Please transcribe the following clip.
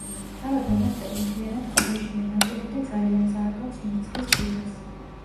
თავად მონასტერი მთლიანად კლდეშია ნაკვეთი და ძალიან წააგავს მერცხლის ბუდეს.